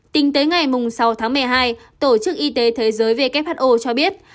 tính tới ngày sáu tháng một mươi hai tổ chức y tế thế giới who cho biết